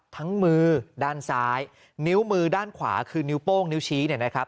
ทั้งมือด้านซ้ายนิ้วมือด้านขวาคือนิ้วโป้งนิ้วชี้